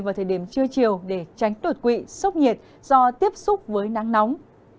vào thời điểm chưa chiều để tránh tuột quỵ sốc nhiệt do tiếp xúc với nắng nóng